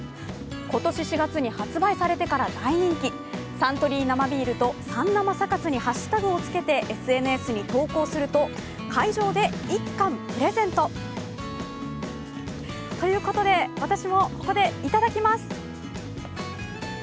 今年４月に発売されてから大人気、「サントリー生ビール」と「サン生サカス」にハッシュタグを付けてＳＮＳに投稿すると会場で１缶プレゼント。ということで私もここでいただきます！